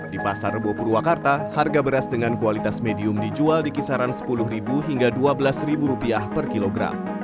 di pasar rebuh purwakarta harga beras dengan kualitas medium dijual di kisaran sepuluh hingga dua belas rupiah per kilogram